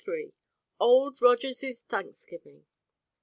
OLD ROGERS'S THANKSGIVING.